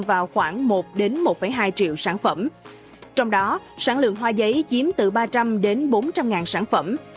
vào khoảng một một hai triệu sản phẩm trong đó sản lượng hoa giấy chiếm từ ba trăm linh bốn trăm linh ngàn sản phẩm